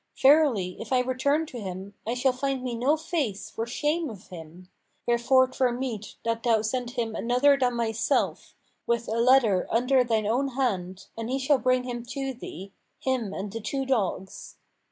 Verily, if I return to him, I shall find me no face for shame of him; wherefore 'twere meet that thou send him another than myself, with a letter under thine own hand, and he shall bring him to thee, him and the two dogs."